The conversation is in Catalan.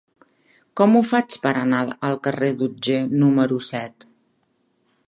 Com ho faig per anar al carrer d'Otger número set?